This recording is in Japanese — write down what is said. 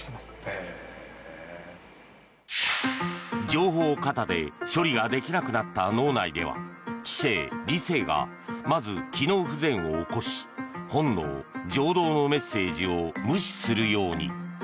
情報過多で処理ができなくなった脳内では知性・理性がまず機能不全を起こし本能・情動のメッセージを無視するように。